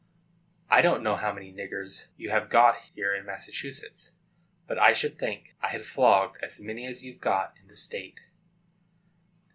] I don't know how many niggers you have got here in Massachusetts, but I should think I had flogged as many as you've got in the state.